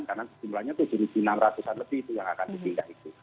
karena jumlahnya itu tujuh enam ratus an lebih yang akan dihidupkan